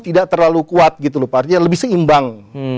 tidak terlalu kuat artinya lebih seimbang